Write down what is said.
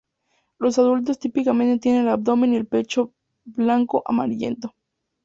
Los adultos típicamente tienen el abdomen y el pecho blanco amarillento.